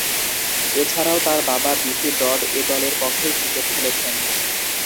এছাড়াও, তার বাবা বিসি ব্রড এ দলের পক্ষেই ক্রিকেট খেলেছেন।